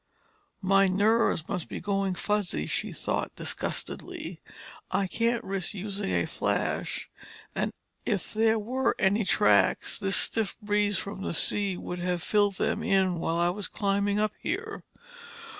"My nerves must be going fuzzy," she thought disgustedly. "I can't risk using a flash, and if there were any tracks this stiff breeze from the sea would have filled them in while I was climbing up here.